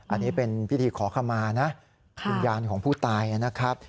อันนี้เป็นพิธีขอขมานะวิญญาณของผู้ตายนะครับ